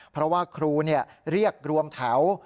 เพราะว่าครูเรียกรวมแถว